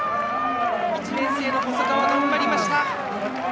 １年生の細川、頑張りました。